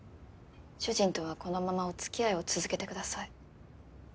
主人とはこのままお付き合いを続けてください。